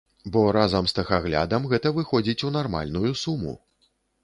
Бо разам з тэхаглядам гэта выходзіць у нармальную суму.